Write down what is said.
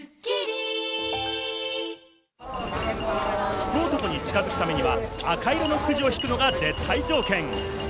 福男に近づくためには赤色のくじを引くのが絶対条件。